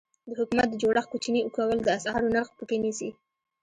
د حکومت د جوړښت کوچني کول د اسعارو نرخ بر کې نیسي.